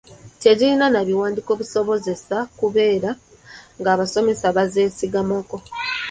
Tezirina na biwandiiko bizisobozesa kubeera ng’abasomesa bazeesigamako.